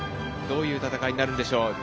どういう戦いになるんでしょう。